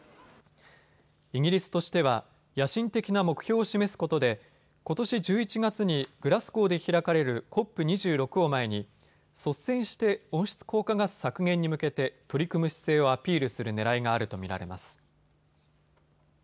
イギリスとしては野心的な目標を示すことでことし１１月にグラスゴーで開かれるＣＯＰ２６を前に率先して温室効果ガス削減に向けて取り組む姿勢をアピールするねらいがあると見られます。